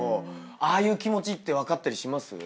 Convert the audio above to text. ああいう気持ちって分かったりします？